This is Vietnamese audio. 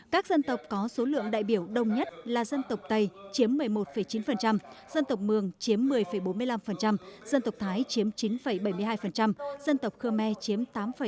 các dân tộc có số lượng đại biểu đông nhất là dân tộc tây chiếm một mươi một chín dân tộc mường chiếm một mươi bốn mươi năm dân tộc thái chiếm chín bảy mươi hai dân tộc khmer chiếm tám sáu mươi sáu